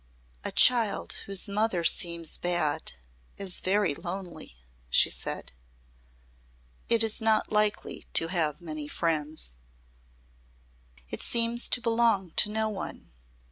"A child whose mother seems bad is very lonely," she said. "It is not likely to have many friends." "It seems to belong to no one.